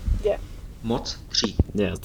Moc tří.